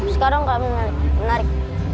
sekarang kami menarik